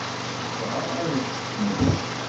Tebɣa ad t-teḥmec.